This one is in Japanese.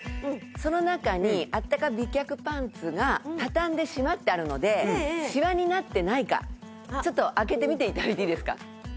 その中にあったか美脚パンツが畳んでしまってあるのでシワになってないかちょっと開けて見て頂いていいですか？